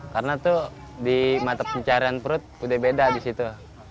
karena tuh di mata pencarian perut udah beda di situ